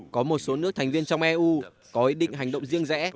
có một số nước thành viên trong eu có ý định hành động riêng rẽ